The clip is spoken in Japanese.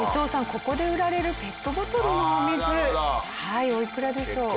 ここで売られるペットボトルのお水おいくらでしょう？